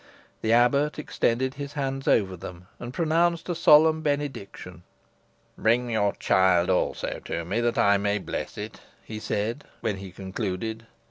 The abbot extended his hands over them, and pronounced a solemn benediction. "Bring your child also to me, that I may bless it," he said, when he concluded.